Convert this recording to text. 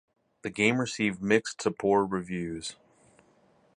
The game received mixed to poor reviews.